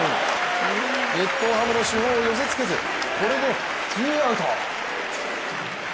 日本ハムの主砲を寄せ付けずこれでツーアウト。